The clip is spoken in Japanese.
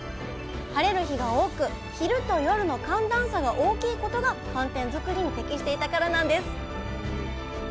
晴れる日が多く昼と夜の寒暖差が大きいことが寒天作りに適していたからなんです